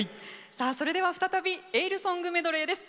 さあそれでは再びエールソングメドレーです。